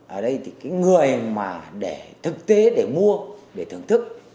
ở đây thì cái người mà để thực tế để mua để thưởng thức